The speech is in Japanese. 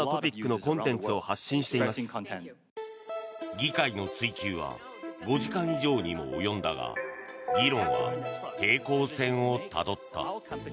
議会の追及は５時間以上にも及んだが議論は平行線をたどった。